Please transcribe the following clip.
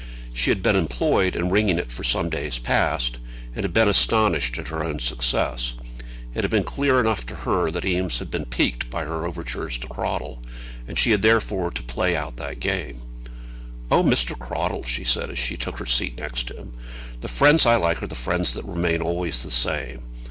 She had been employed in wringing it for some days past, and had been astonished at her own success. It had been clear enough to her that Eames had been piqued by her overtures to Cradell, and she had therefore to play out that game. "Oh, Mr. Cradell," she said, as she took her seat next to him. "The friends I like are the friends that remain always the same.